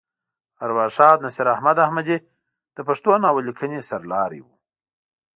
ارواښاد نصیر احمد احمدي د پښتو ناول لیکنې سر لاری وه.